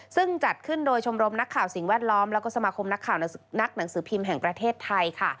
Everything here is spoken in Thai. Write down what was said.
ซึ่งจัดขึ้นโดยชมรมนักข่าวสิ่งแวดล้อมแล้วก็สมาคมนักข่าวนักหนังสือพิมพ์แห่งประเทศไทยค่ะ